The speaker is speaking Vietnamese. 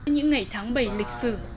những ngày tháng bảy lịch sử